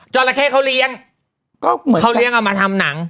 จอหละเข้เขาเลี้ยงเขาเลี้ยงเอามาทำหนัง